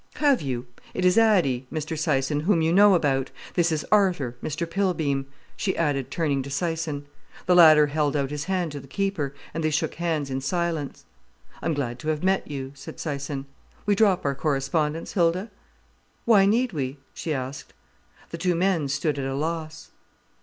"Have you? It is Addy, Mr Syson, whom you know about.—This is Arthur, Mr Pilbeam," she added, turning to Syson. The latter held out his hand to the keeper, and they shook hands in silence. "I'm glad to have met you," said Syson. "We drop our correspondence, Hilda?" "Why need we?" she asked. The two men stood at a loss.